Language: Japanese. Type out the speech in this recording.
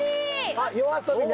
あっＹＯＡＳＯＢＩね。